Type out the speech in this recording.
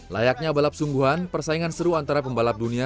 layaknya balap sungguhan persaingan seru antara pembalap dunia